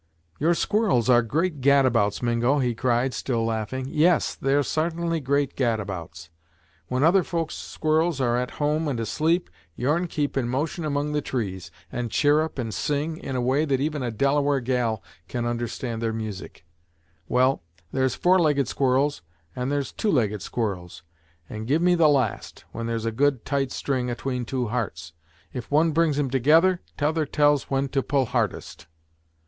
"Your squirrels are great gadabouts, Mingo," he cried still laughing "yes, they're sartainly great gadabouts! When other folk's squirrels are at home and asleep, yourn keep in motion among the trees, and chirrup and sing, in a way that even a Delaware gal can understand their musick! Well, there's four legged squirrels, and there's two legged squirrels, and give me the last, when there's a good tight string atween two hearts. If one brings 'em together, t'other tells when to pull hardest!"